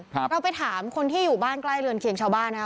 เราไปถามคนที่อยู่บ้านใกล้เรือนเคียงชาวบ้านนะคะ